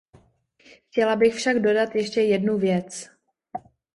Chtěla bych však dodat ještě jednu věc.